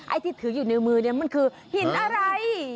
ที่ถืออยู่ในมือเนี่ยมันคือหินอะไร